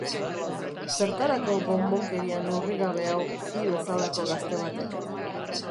Zertarako bonbonkeria neurrigabe hau hi bezalako gazte batek?